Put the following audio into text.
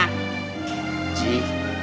ji kalau miskin bisa jadi bencana